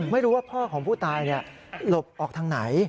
ไม่รู้ว่าพ่อของผู้ตายหลบออกทางไหน